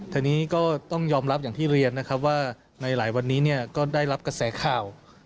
ทีนี้ก็ต้องยอมรับอย่างที่เรียนนะครับว่าในหลายวันนี้ก็ได้รับกระแสข่าว